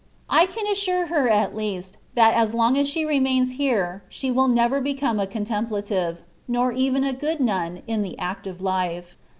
I can assure her at least, that as long as she remains here, she will never become a contemplative, nor even a good nun in the active life.